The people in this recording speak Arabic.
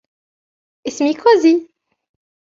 اسمي كوزي.